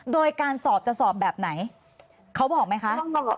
โดยการสอบจะสอบแบบไหนเขาบอกไหมคะ